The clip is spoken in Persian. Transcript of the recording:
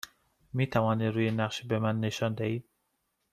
می توانید روی نقشه به من نشان دهید؟